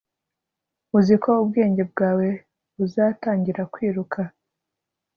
uzi ko ubwenge bwawe buzatangira kwiruka